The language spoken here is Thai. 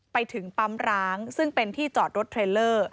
ไปถึงปั๊มร้างซึ่งเป็นที่จอดรถเทรลเลอร์